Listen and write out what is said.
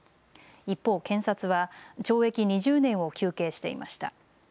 一方、検察は懲役２０年を求刑していました。